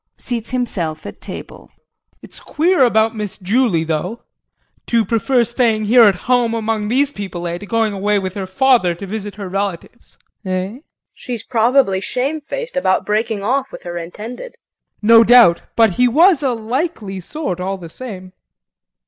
[Seats himself at table.] It's queer about Miss Julie though to prefer staying here at home among these people, eh, to going away with her father to visit her relatives, eh? KRISTIN. She's probably shamefaced about breaking off with her intended. JEAN. No doubt! but he was a likely sort just the same.